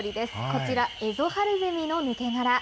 こちら、エゾハルゼミの抜け殻。